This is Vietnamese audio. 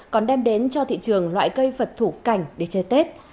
còn đem đến cho thị trường loại cây vật thủ cảnh để chơi tết